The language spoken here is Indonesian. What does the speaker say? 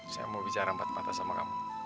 saya mau bicara empat mata sama kamu